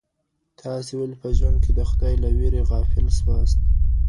تاسي ولي په ژوند کي د خدای له وېرې غافل سواست؟